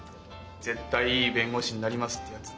「絶対いい弁護士になります」ってやつ？